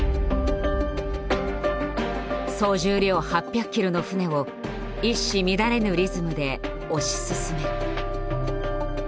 総重量８００ｋｇの船を一糸乱れぬリズムで押し進める。